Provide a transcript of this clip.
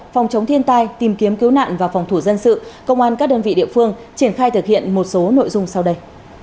phòng chống thiên tai tìm kiếm cứu nạn và phòng thủ dân sự công an các đơn vị địa phương triển khai thực hiện một số nội dung sau đây